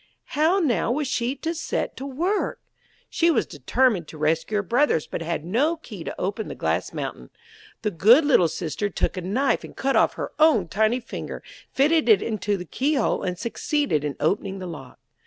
How, now, was she to set to work? She was determined to rescue her brothers, but had no key to open the glass mountain. The good little sister took a knife and cut off her own tiny finger, fitted it into the keyhole, and succeeded in opening the lock.